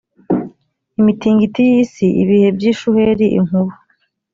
imitingito y isi ibihe by ishuheri inkuba